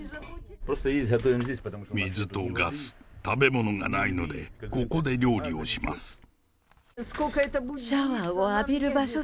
水とガス、食べ物がないのでここで料理をします。